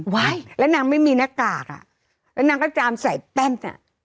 แล้วนางไม่มีหน้ากากอ่ะแล้วนางก็จามใส่แป้นอ่ะ